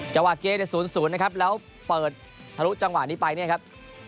จังหวะเกมใน๐๐นะครับแล้วเปิดทะลุจังหวะนี้ไปเนี่ยครับ